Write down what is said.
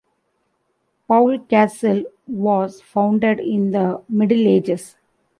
Pau Castle was founded in the Middle Ages.